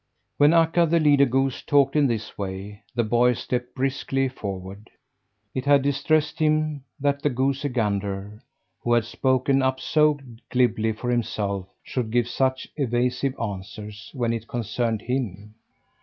When Akka, the leader goose, talked in this way, the boy stepped briskly forward. It had distressed him that the goosey gander, who had spoken up so glibly for himself, should give such evasive answers when it concerned him.